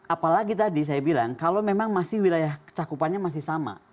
apalagi tadi saya bilang kalau memang masih wilayah cakupannya masih sama